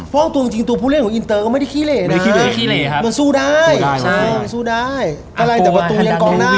เพราะตัวจริงผู้เล่นอินเตอร์ไม่ได้ขี้เหล่น่ะ